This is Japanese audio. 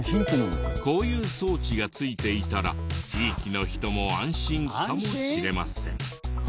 こういう装置がついていたら地域の人も安心かもしれません。